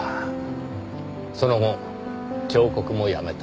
その後彫刻もやめた。